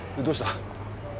どうした？